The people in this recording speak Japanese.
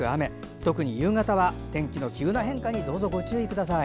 特に夕方は天気の急な変化にどうぞご注意ください。